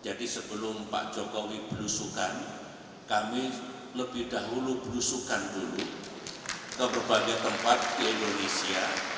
jadi sebelum pak jokowi berusukan kami lebih dahulu berusukan dulu ke berbagai tempat di indonesia